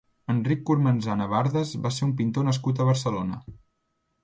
Enric Cormenzana Bardas va ser un pintor nascut a Barcelona.